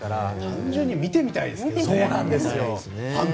単純に見てみたいですね。